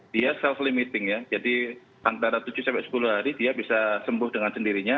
dia self limiting ya jadi antara tujuh sampai sepuluh hari dia bisa sembuh dengan sendirinya